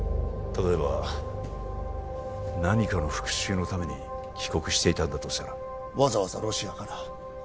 例えば何かの復讐のために帰国していたんだとしたらわざわざロシアから？